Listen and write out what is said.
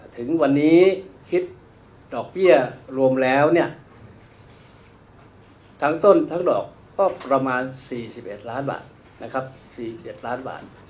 ถึงวันนี้คิดดอกเบี้ยรวมแล้วทั้งต้นทั้งดอกก็ประมาณ๔๑ล้านบาท